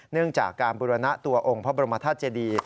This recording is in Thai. เนื่องจากการบุรณะตัวองค์พระบรมธาตุเจดี